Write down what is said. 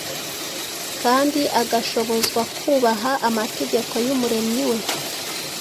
kandi agashobozwa kubaha amategeko y’Umuremyi we.